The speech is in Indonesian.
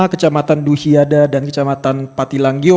kecamatan dusiada dan kecamatan patilanggio